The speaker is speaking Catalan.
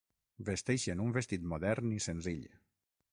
Vesteixen un vestit modern i senzill.